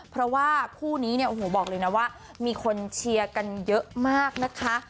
เพราะว่าคู่นี้เนี่ยโอ้โหบอกเลยนะว่ามีคนเชียร์กันเยอะมากนะคะ